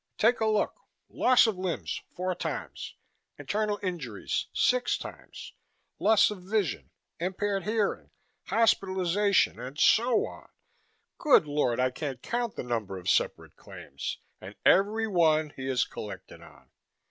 "Take a look! Loss of limbs four times. Internal injuries six times. Loss of vision, impaired hearing, hospitalization and so on good lord, I can't count the number of separate claims. And, every one, he has collected on.